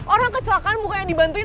orang kecelakaan muka yang dibantuin